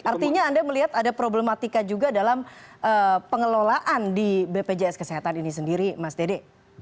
artinya anda melihat ada problematika juga dalam pengelolaan di bpjs kesehatan ini sendiri mas dede